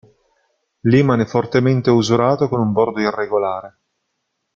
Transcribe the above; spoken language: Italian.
Lehmann è fortemente usurato con un bordo irregolare.